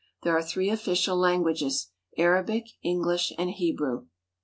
There are three official languages — Arabic, English, and Hebrew.